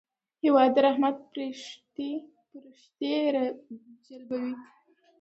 هېواد د رحمت پرښتې راجلبوي.